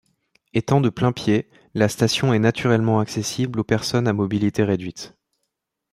Étant de plain-pied, la station est naturellement accessible aux personnes à mobilité réduite.